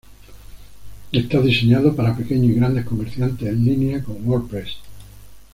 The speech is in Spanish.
Está diseñado para pequeños y grandes comerciantes en línea con WordPress.